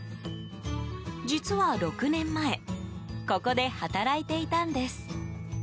実は６年前ここで働いていたんです。